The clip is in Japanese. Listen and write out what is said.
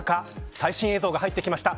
最新映像が入ってきました。